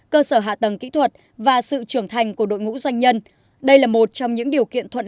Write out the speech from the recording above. cơ sở hạ tầng kỹ thuật và sự trưởng thành của đội ngũ doanh nhân đây là một trong những điều kiện thuận lợi